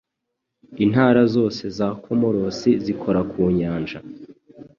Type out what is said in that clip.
Intara zose za Comoros zikora ku nyanja